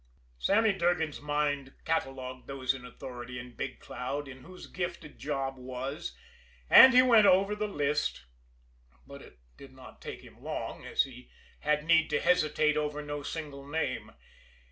Sammy Durgan's mind catalogued those in authority in Big Cloud in whose gift a job was, and he went over the list but it did not take him long, as he had need to hesitate over no single name.